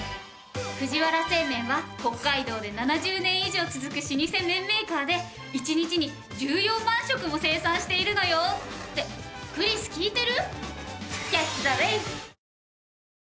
藤原製麺は北海道で７０年以上続く老舗麺メーカーで１日に１４万食も生産しているのよ。ってクリス聞いてる？